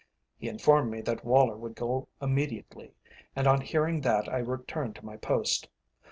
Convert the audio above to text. He informed me that Woller would go immediately, and on hearing that I returned to my post.